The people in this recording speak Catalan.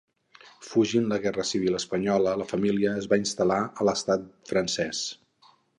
Fugint la guerra civil espanyola, la família es va instal·lar a l'estat francès.